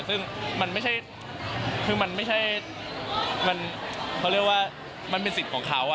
ซึ่งมันไม่ใช่เขาเรียกว่ามันเป็นสิทธิ์ของเขา